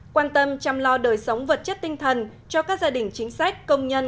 quan tâm chăm lo đời sống vật chất tinh thần cho các gia đình chính sách công nhân